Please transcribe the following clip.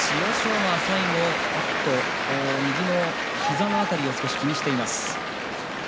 馬、最後右の膝の辺りを少し気にしています。